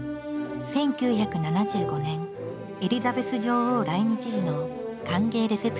１９７５年エリザベス女王来日時の歓迎レセプション。